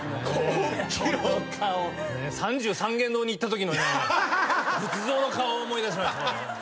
三十三間堂に行ったときの仏像の顔を思い出しました。